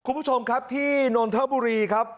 คุณผู้ชมครับที่นนทบุรีครับ